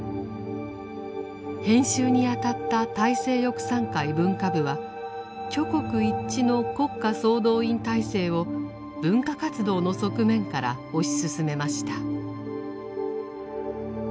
編集にあたった大政翼賛会文化部は挙国一致の国家総動員体制を文化活動の側面から推し進めました。